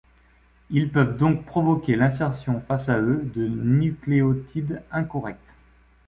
Ils peuvent donc provoquer l'insertion face à eux de nucléotides incorrects.